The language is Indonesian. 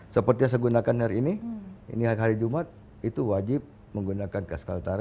seperti yang saya gunakan hari ini ini hari jumat itu wajib menggunakan kas kaltara